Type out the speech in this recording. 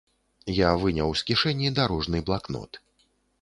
Я выняў з кішэні дарожны блакнот.